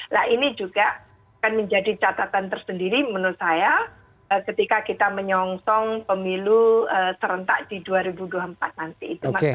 nah ini juga akan menjadi catatan tersendiri menurut saya ketika kita menyongsong pemilu serentak di dua ribu dua puluh empat nanti